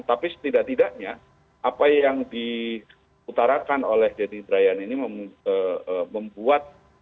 tapi setidak tidaknya apa yang diutarakan oleh deddy hidrian ini membuat